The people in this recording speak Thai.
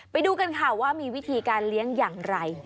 ไปดูกันค่ะว่ามีวิธีการเลี้ยงอย่างไร